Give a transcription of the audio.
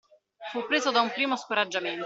Fu preso da un primo scoraggiamento;